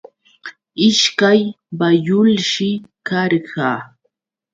Ishkay bayulshi karqa.